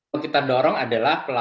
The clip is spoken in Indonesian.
perlu kita dorong adalah pelabuhan